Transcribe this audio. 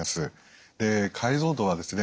解像度はですね